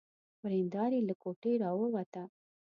ورېندار يې له کوټې را ووته.